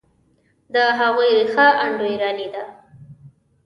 د هغوی ریښه انډوایراني ده.